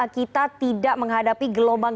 kita tidak menghadapi gelombang